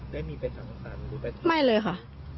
ไม่มีไปทางสร้างหรือไปที่ไหนไม่เลยค่ะ